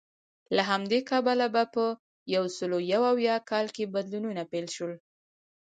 له همدې کبله په یو سوه یو اویا کال کې بدلونونه پیل شول